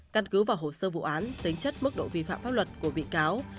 căn cứ vào hồ sơ vụ án tính chất mức độ vi phạm pháp luật của bị cáo